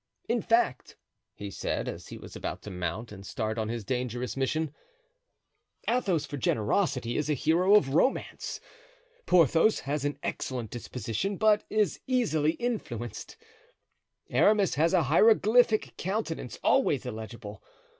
"In fact," he said, as he was about to mount and start on his dangerous mission, "Athos, for generosity, is a hero of romance; Porthos has an excellent disposition, but is easily influenced; Aramis has a hieroglyphic countenance, always illegible.